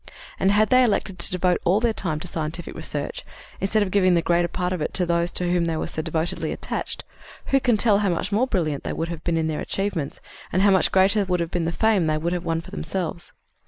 And had they elected to devote all their time to scientific research, instead of giving the greater part of it to those to whom they were so devotedly attached, who can tell how much more brilliant would have been their achievements and how much greater would have been the fame they would have won for themselves.